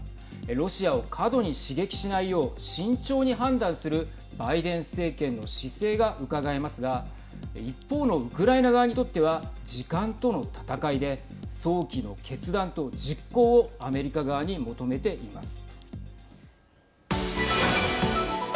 ロシアを過度に刺激しないよう慎重に判断するバイデン政権の姿勢がうかがえますが一方のウクライナ側にとっては時間との戦いで早期の決断と実行をアメリカ側に求めています。